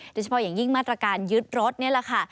โดยเฉพาะอย่างยิ่งมาตรการยึดรถนี่แหละค่ะ